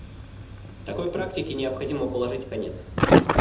Такой практике необходимо положить конец.